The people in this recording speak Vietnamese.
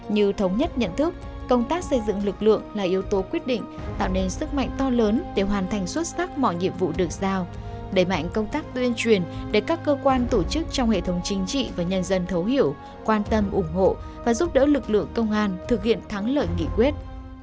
như thống nhất nhận thức công tác xây dựng lực lượng là yếu tố quyết định tạo nên sức mạnh to lớn để hoàn thành xuất sắc mọi nhiệm vụ được giao đẩy mạnh công tác tuyên truyền để các cơ quan tổ chức trong hệ thống chính trị và nhân dân thấu hiểu quan tâm ủng hộ và giúp đỡ lực lượng công an thực hiện thắng lợi nghị quyết